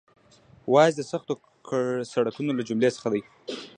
واش د سختو سړکونو له جملې څخه دی